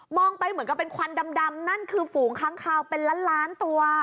ไปเหมือนกับเป็นควันดำนั่นคือฝูงค้างคาวเป็นล้านล้านตัว